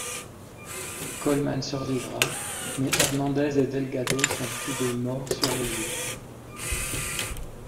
Coleman survivra; mais Hernandez et Delgado sont tous deux morts sur les lieux.